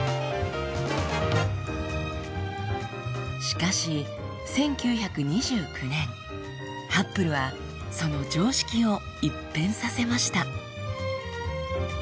しかし１９２９年ハッブルはその常識を一変させました。